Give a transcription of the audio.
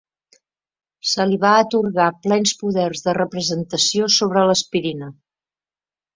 Se li va atorgar plens poders de representació sobre l'aspirina.